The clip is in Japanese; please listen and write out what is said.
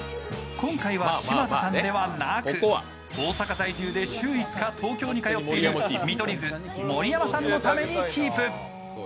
今回は嶋佐さんではなく、大阪在住で週５日東京に通っている見取り図・盛山さんのためにキープ。